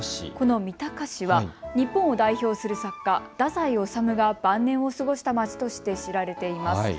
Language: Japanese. この三鷹市は日本を代表する作家、太宰治が晩年を過ごした街として知られています。